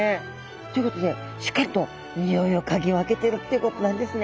ということでしっかりとにおいを嗅ぎ分けてるっていうことなんですね。